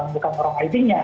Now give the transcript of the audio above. bukan orang id nya